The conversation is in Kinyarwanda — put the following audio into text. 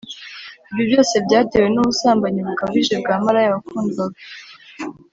ibyo byose byatewe n’ubusambanyi bukabije bwa maraya wakundwaga